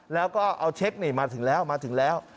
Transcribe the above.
แล้วก็เอาเช็คนี่มาถึงแล้วมาถึงแล้ว